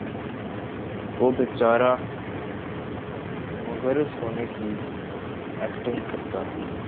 وہ بیچارہ معزز ہونے کی ایکٹنگ کرتا